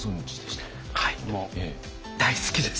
はいもう大好きです。